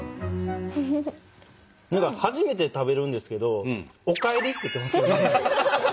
何か初めて食べるんですけど「おかえり」って言ってますよね。